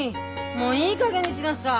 もういいかげんにしなさい！